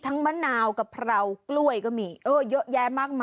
ทั้งมะนาวกระเพรากล้วยเยอะแยะมากมาย